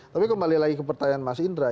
tapi kembali lagi ke pertanyaan mas indra